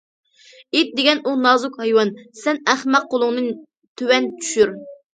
ئىت دېگەن ئۇ نازۇك ھايۋان... سەن ئەخمەق، قولۇڭنى تۆۋەن چۈشۈر!